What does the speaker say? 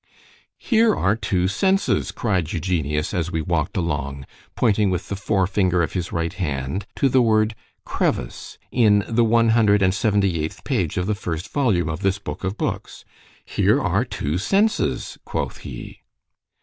——Here are two senses, cried Eugenius, as we walk'd along, pointing with the fore finger of his right hand to the word Crevice, in the one hundred and seventy eighth page of the first volume of this book of books,——here are two senses—quoth he.